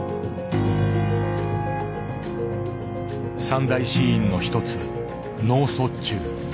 三大死因の一つ脳卒中。